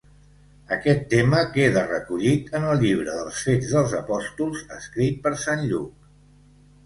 Aquest tema queda recollit en el llibre dels Fets dels Apòstols, escrit per sant Lluc.